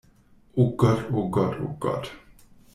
Oh Gott, oh Gott, oh Gott!